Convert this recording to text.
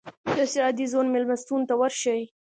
د سرحدي زون مېلمستون ته ورشئ.